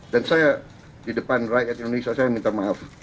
dan saya di depan rakyat indonesia saya minta maaf